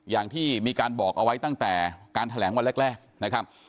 อย่างที่มีการบอกเอาไว้ตั้งแต่การแถลงวันแรกนะครับ